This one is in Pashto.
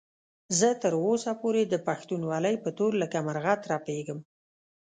زه تر اوسه پورې د پښتونولۍ په تور لکه مرغه ترپېږم.